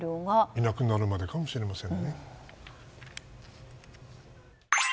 いなくなるまでかもしれません。